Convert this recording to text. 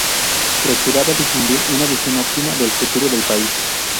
Procuraba difundir una visión optimista del futuro del país.